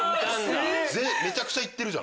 めちゃくちゃいってる。